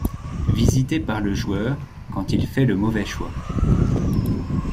Visité par le joueur quand il fait le mauvais choix.